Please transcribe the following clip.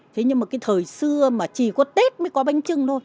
thế nhưng mà cái thời xưa mà chỉ có tết mới có bánh trưng thôi